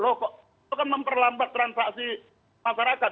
rokok itu kan memperlambat transaksi masyarakat